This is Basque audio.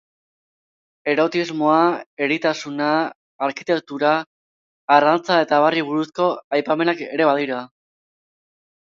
Erotismoa, eritasuna, arkitektura, arrantza eta abarri buruzko aipamenak ere badira.